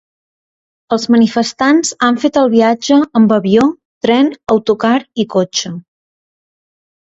Els manifestants han fet el viatge amb avió, tren, autocar i cotxe.